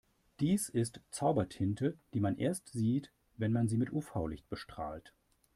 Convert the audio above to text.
Dies ist Zaubertinte, die man erst sieht, wenn man sie mit UV-Licht bestrahlt.